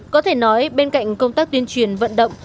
có thể nói bên cạnh công tác tuyên truyền vận động